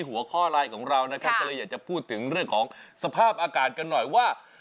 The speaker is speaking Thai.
หัวข้อไลน์ของเรานะครับก็เลยอยากจะพูดถึงเรื่องของสภาพอากาศกันหน่อยว่า